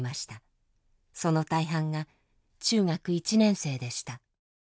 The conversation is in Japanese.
その大半が中学１年生でした。